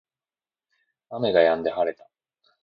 雨が止んで晴れた